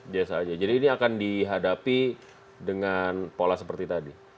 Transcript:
biasa aja jadi ini akan dihadapi dengan pola seperti tadi